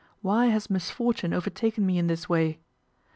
"Why has misfortune overtaken me in this way?